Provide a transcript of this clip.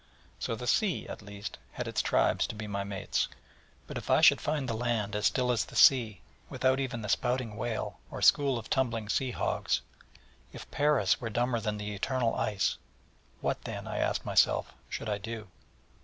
So the sea, at least, had its tribes to be my mates. But if I should find the land as still as the sea, without even the spouting whale, or school of tumbling sea hogs if Paris were dumber than the eternal ice what then, I asked myself, should I do?